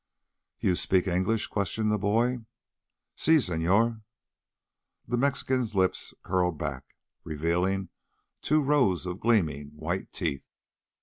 "You speak English?" questioned the boy. "Si, señor." The Mexican's lips curled back, revealing two rows of gleaming, white teeth.